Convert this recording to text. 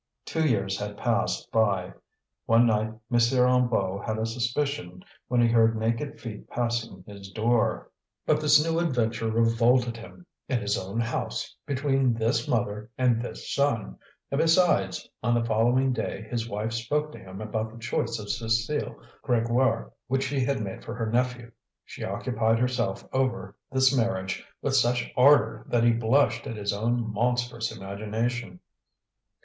Two years had passed by. One night M. Hennebeau had a suspicion when he heard naked feet passing his door. But this new adventure revolted him, in his own house, between this mother and this son! And besides, on the following day his wife spoke to him about the choice of Cécile Grégoire which she had made for her nephew. She occupied herself over this marriage with such ardour that he blushed at his own monstrous imagination.